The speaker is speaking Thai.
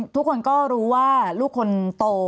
ทุกคนก็รู้ว่าลูกคนโต